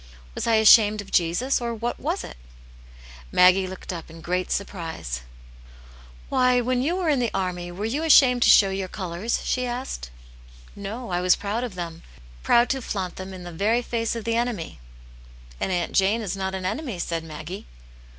Was I ashamed of Jesus, or what was it ?" Maggie looked up in great surprise* Aunt Jane's Hero. 117 "Why, when you were in the army were you ashamed to show your colours ?" she asked. No, I was proud of them ; proud to flaunt them in the very face of the enemy." And Aunt Jane is not an enemy,*' said Maggie.